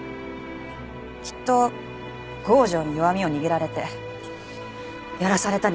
きっと郷城に弱みを握られてやらされたに決まってます。